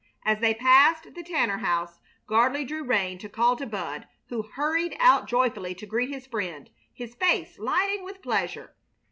As they passed the Tanner house Gardley drew rein to call to Bud, who hurried out joyfully to greet his friend, his face lighting with pleasure.